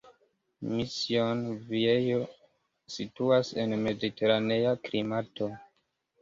Mission Viejo situas en mediteranea klimato.